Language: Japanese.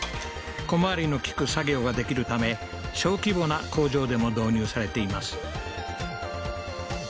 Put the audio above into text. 小回りのきく作業ができるため小規模な工場でも導入されています